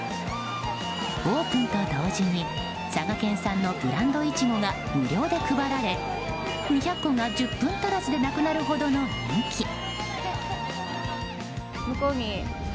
オープンと同時に佐賀県産のブランドイチゴが無料で配られ２００個が１０分足らずでなくなるほどの人気。